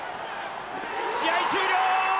試合終了！